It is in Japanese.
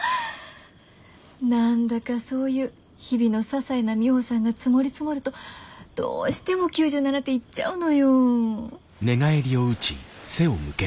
何だかそういう日々のささいなミホさんが積もり積もるとどうしても９７点いっちゃうのよ。